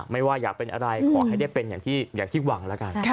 ไม่ว่าอยากเป็นอะไรขอให้ได้เป็นอย่างที่หวังแล้วกัน